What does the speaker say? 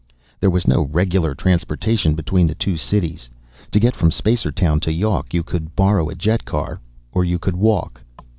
There was no regular transportation between the two cities; to get from Spacertown to Yawk, you could borrow a jetcar or you could walk.